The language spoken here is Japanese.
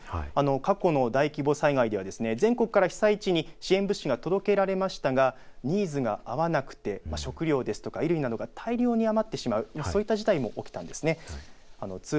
過去の大規模災害ではですね全国から被災地に支援物資が届けられましたがニーズが合わなくて食料ですとか衣類などが大量に余ってしまうそういった事態も起きたんですね。